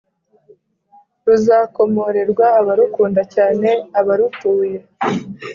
Ruzakomorerwa abarukunda cyane abarutuye